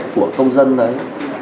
của công dân đấy